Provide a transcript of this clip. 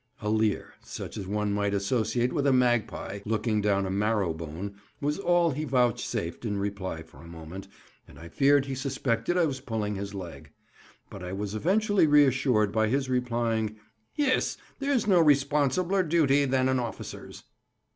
A leer, such as one might associate with a magpie looking down a marrow bone, was all he vouchsafed in reply for a moment, and I feared he suspected I was pulling his leg; but I was eventually reassured by his replying, "Yis, there's no responsibler dooty than an officer's."